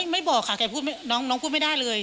ไม่บอกแล้วแกบอกใช่มั้ยน้องพูดไม่ได้เลย